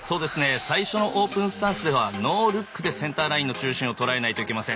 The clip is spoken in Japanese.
最初の「オープンスタンス」ではノールックでセンターラインの中心をとらえないといけません。